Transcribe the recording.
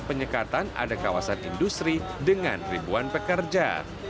memang mau melarang mudik silakan saja